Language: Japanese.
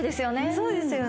そうですよね